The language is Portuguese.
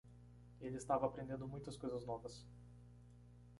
Ele estava aprendendo muitas coisas novas.